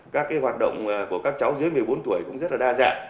các hoạt động của các cháu dưới một mươi bốn tuổi cũng rất là đa dạng